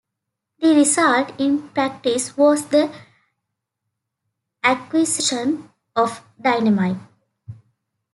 The result, in practice, was the acquisition of Dynamite.